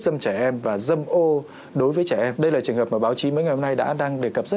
xâm trẻ em và dâm ô đối với trẻ em đây là trường hợp mà báo chí mới ngày hôm nay đã đăng đề cập rất